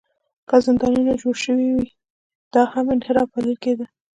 که زندانونه جوړ شوي وي، دا هم انحراف بلل کېده.